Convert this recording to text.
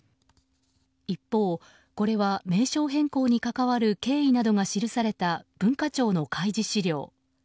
一方、これは名称変更に関わる経緯などが記された文化庁の開示資料。